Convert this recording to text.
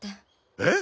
えっ？